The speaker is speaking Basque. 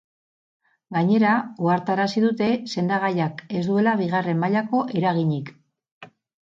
Gainera, ohartarazi dute sendagaiak ez duela bigarren mailako eraginik.